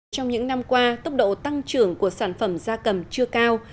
trong những năm qua tốc độ tăng trưởng của sản phẩm da cầm chưa cao